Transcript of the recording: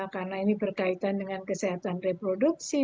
karena ini berkaitan dengan kesehatan reproduksi